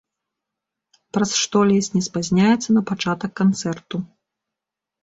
Праз што ледзь не спазняецца на пачатак канцэрту.